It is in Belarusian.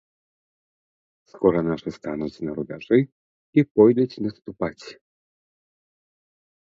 Скора нашы стануць на рубяжы і пойдуць наступаць.